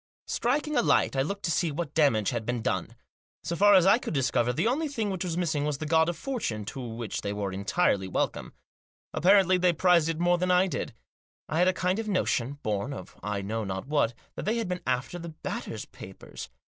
Striking a light I looked to see what damage had been done. So far as I could discover the only thing which was missing was the God of Fortune, to which Digitized by THE KET1CENCE OF CAPTAIN LANDEB. 171 they were entirely welcome. Apparently they prized it more than I did. I had a kind of notion, born of I know not what, that they had been after the Batters' papers.